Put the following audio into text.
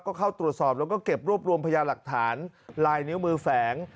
ก็เข้าตรวจสอบแล้วก็เก็บรวบรวมพยาหลักฐานลายนิ้วมือแฝง